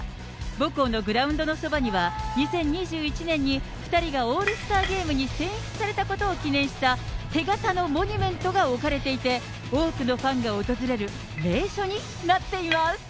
母校のグラウンドのそばには、２０２１年に２人がオールスターゲームに選出されたことを記念した手形のモニュメントが置かれていて、多くのファンが訪れる名所になっています。